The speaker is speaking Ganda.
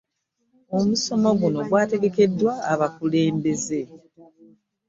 Omusomo guno gwategekeddwa abakulembeze